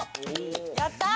◆やった！